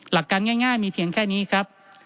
หลักการง่ายมีเพียงแค่นี้ครับ